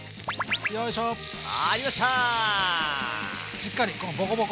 しっかりこのボコボコ。